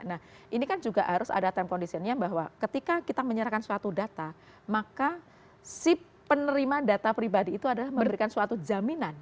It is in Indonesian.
nah ini kan juga harus ada time conditionnya bahwa ketika kita menyerahkan suatu data maka si penerima data pribadi itu adalah memberikan suatu jaminan